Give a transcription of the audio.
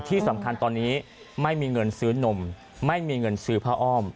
ที่สำคัญตอนนี้ไม่มีเงินซื้อนมไม่มีเงินซื้อผ้าอ้อม